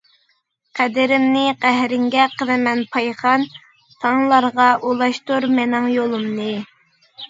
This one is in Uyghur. قەدرىمنى قەھرىڭگە قىلىمەن پايخان، تاڭلارغا ئۇلاشتۇر مېنىڭ يولۇمنى.